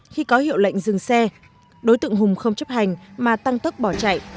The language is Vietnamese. khi có hiệu lệnh dừng xe đối tượng hùng không chấp hành mà tăng tốc bỏ chạy